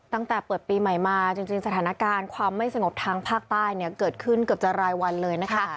ตั้งแต่เปิดปีใหม่มาจริงสถานการณ์ความไม่สงบทางภาคใต้เนี่ยเกิดขึ้นเกือบจะรายวันเลยนะคะ